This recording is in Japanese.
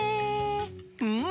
うん！